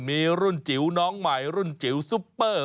มีรุ่นจิ๋วน้องใหม่รุ่นจิ๋วซุปเปอร์